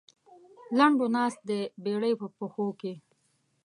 لنډو ناست دی بېړۍ په پښو کې.